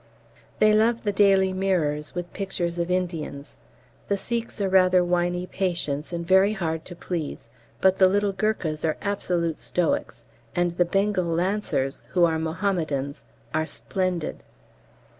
They love the 'Daily Mirrors' with pictures of Indians. The Sikhs are rather whiney patients and very hard to please, but the little Gurkhas are absolute stoics, and the Bengal Lancers, who are Mohammedans, are splendid.